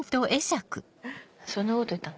そんなこと言ったの？